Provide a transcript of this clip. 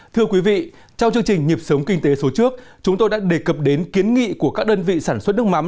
thưa quý vị trong chương trình nhịp sống kinh tế số trước chúng tôi đã đề cập đến kiến nghị của các đơn vị sản xuất nước mắm